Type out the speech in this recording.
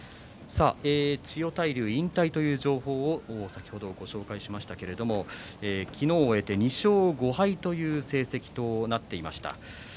千代大龍が引退という情報を先ほど、ご紹介しましたけれども昨日を終えて２勝５敗という成績となっていました。